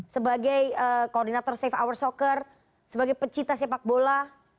sebagai koordinator save our soccer sebagai pecinta sepak bola